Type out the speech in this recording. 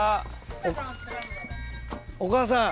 お母さん。